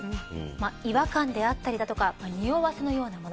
違和感であったりにおわせのようなもの。